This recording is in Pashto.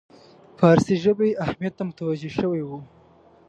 فارسي ژبې اهمیت ته متوجه شوی وو.